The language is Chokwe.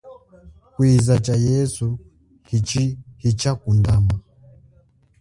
Kwiza tsha yesu hitshakundama.